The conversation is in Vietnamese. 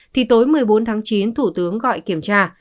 thì tối một mươi bốn tháng chín thủ tướng gọi kiểm tra